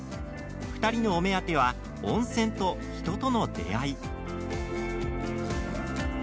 ２人のお目当ては温泉と人との出会い。